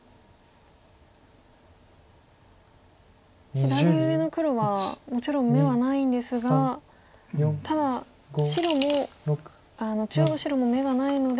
左上の黒はもちろん眼はないんですがただ白も中央の白も眼がないので。